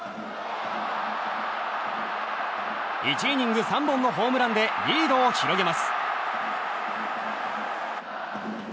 １イニング３本のホームランでリードを広げます。